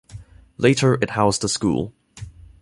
Later it housed a school.